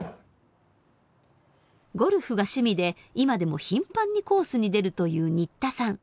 ゴルフが趣味で今でも頻繁にコースに出るという新田さん。